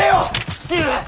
父上！